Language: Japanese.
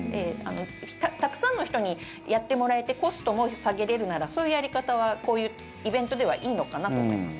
たくさんの人にやってもらえてコストも下げれるならそういうやり方はこういうイベントではいいのかなと思います。